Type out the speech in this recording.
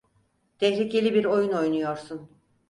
Tehlikeli bir oyun oynuyorsun.